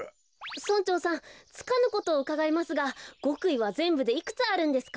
村長さんつかぬことをうかがいますがごくいはぜんぶでいくつあるんですか？